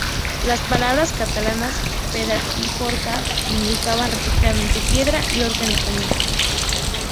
Las palabras catalanas ‘"pedra"’ y ‘"forca"’ significan, respectivamente, ‘piedra’ y ‘horca’ en español.